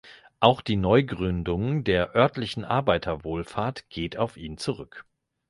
Auch die Neugründung der örtlichen Arbeiterwohlfahrt geht auf ihn zurück.